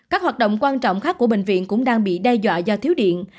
các hoạt động quan trọng khác của bệnh viện cũng đang bị đe dọa do thiếu điện